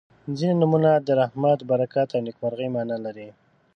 • ځینې نومونه د رحمت، برکت او نیکمرغۍ معنا لري.